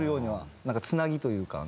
なんかつなぎというか。